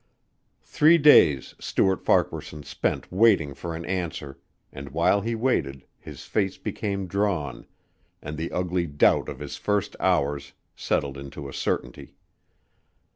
Three days Stuart Farquaharson spent waiting for an answer and while he waited his face became drawn, and the ugly doubt of the first hours settled into a certainty.